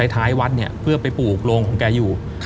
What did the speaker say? ท้ายวัดเนี่ยเพื่อไปปลูกโรงของแกอยู่